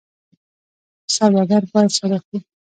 سوداګر باید صادق وي